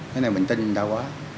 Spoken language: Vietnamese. cái này mình tin người ta quá